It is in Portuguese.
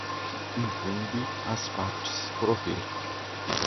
incumbe às partes prover